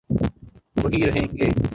وہی رہیں گے۔